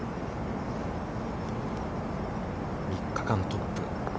３日間トップ。